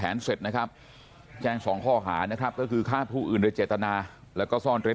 เมื่อกี้เขาบอกว่าเขาขอโทษมันบอกเลย